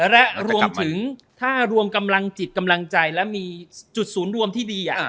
และรวมถึงถ้ารวมกำลังจิตกำลังใจและมีจุดศูนย์รวมที่ดี